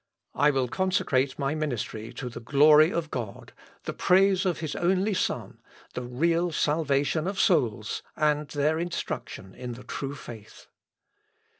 I will consecrate my ministry to the glory of God; the praise of His only Son; the real salvation of souls, and their instruction in the true faith."